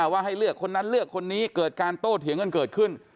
ว่าให้เลือกคนนั้นเลือกคนนี้เกิดการโต้เถียงกันเกิดขึ้น